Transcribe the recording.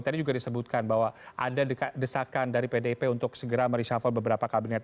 tadi juga disebutkan bahwa ada desakan dari pdip untuk segera mereshuffle beberapa kabinet